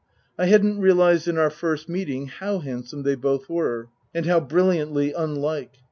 I hadn't realized in our first meeting how handsome they both were, and how brilliantly unlike.